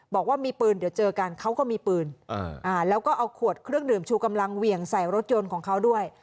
บอกว่ามีปืนเดี๋ยวเจอกันเขาก็มีปืนแล้วก็เอาขวดเครื่องดื่มชูกำลังเหวี่ยงใส่รถยนต์ของเขาด้วย